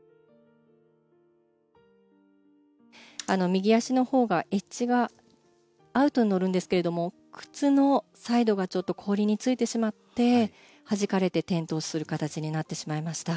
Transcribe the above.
右足のほうがエッジがアウトに乗るんですが靴のサイドがちょっと氷についてしまってはじかれて転倒する形になってしまいました。